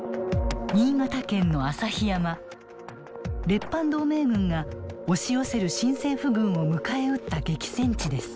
列藩同盟軍が押し寄せる新政府軍を迎え撃った激戦地です。